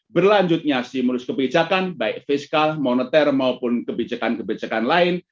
berlanjutnya stimulus kebijakan baik fiskal moneter maupun kebijakan kebijakan lain